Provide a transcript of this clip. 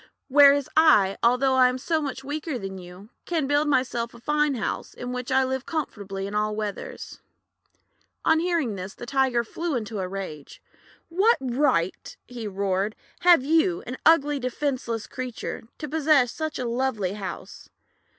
"Whereas I, although I am so much weaker than you, can build myself a fine house, in which I live comfortably in all weathers." On hearing this, the Tiger flew into a rage. "What right," he roared, "have you — an ugly, defenceless creature — to possess such a lovely house?